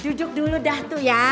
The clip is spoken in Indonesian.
duduk dulu dah tuh ya